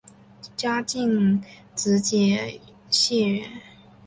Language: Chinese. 嘉靖甲子解元。